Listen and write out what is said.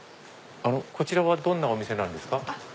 こちらはどんなお店なんですか？